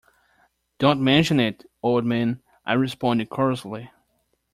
"Don't mention it, old man," I responded courteously.